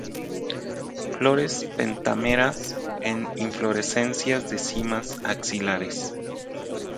Flores pentámeras en inflorescencias de cimas axilares.